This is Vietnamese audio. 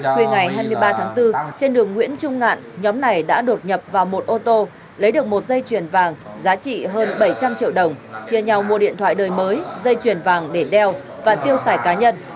khuya ngày hai mươi ba tháng bốn trên đường nguyễn trung ngạn nhóm này đã đột nhập vào một ô tô lấy được một dây chuyền vàng giá trị hơn bảy trăm linh triệu đồng chia nhau mua điện thoại đời mới dây chuyền vàng để đeo và tiêu xài cá nhân